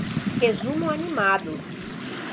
Resumo animado